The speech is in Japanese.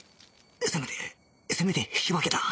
せめてせめて引き分けだ